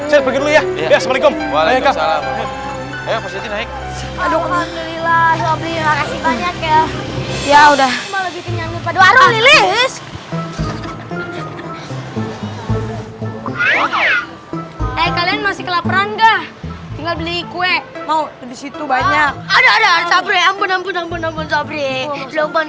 kalian masih kelaparan enggak tinggal beli kue mau disitu banyak ada ada sabri ambon ambon ambon